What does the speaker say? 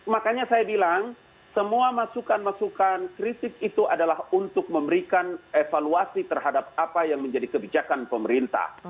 makanya saya bilang semua masukan masukan kritik itu adalah untuk memberikan evaluasi terhadap apa yang menjadi kebijakan pemerintah